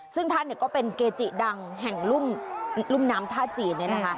ซึ่งท่านก็เป็นเกจิดังแห่งรุ่มน้ำท่าจีน